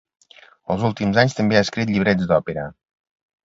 Els últims anys també ha escrit llibrets d'òpera.